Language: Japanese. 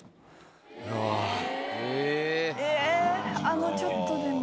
あのちょっとでも？